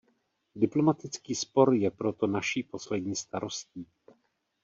Diplomatický spor je proto naší poslední starostí.